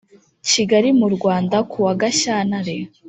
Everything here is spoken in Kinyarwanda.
Kigali mu Rwanda kuwa Gashyantare